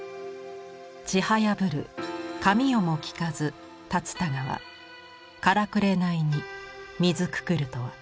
「ちはやぶる神代もきかず龍田川からくれないに水くくるとは」。